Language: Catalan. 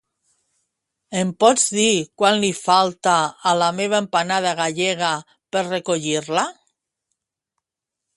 Em pots dir quant li falta a la meva empanada gallega per recollir-la?